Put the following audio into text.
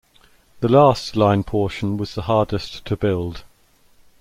The last line portion was the hardest to build.